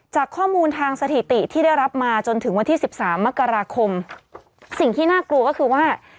จากข้อมูลทางสถิติที่ได้รับมาจนถึงวันที่สิบสามมกราคมสิ่งที่น่ากลัวก็คือว่า